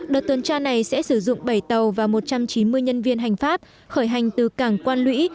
đợt tuần tra này sẽ sử dụng bảy tàu và một trăm chín mươi nhân viên hành pháp khởi hành từ cảng quan lũy